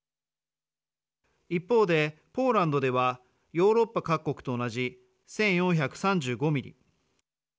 一方で、ポーランドではヨーロッパ各国と同じ１４３５ミリ。